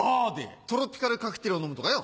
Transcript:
トロピカルカクテルを飲むとかよ。